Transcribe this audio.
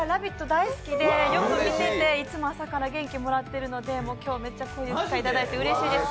大好きでよく見てていつも朝から元気もらってるので今日、こういう機会をもらってうれしいです。